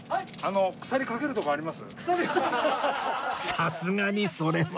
さすがにそれは